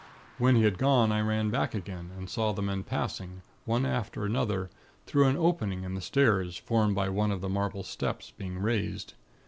"When he had gone, I ran back again, and saw the men passing, one after another, through an opening in the stairs, formed by one of the marble steps being raised.